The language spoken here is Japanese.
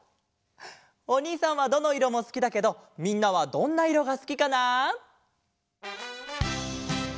おにいさんはどのいろもすきだけどみんなはどんないろがすきかな？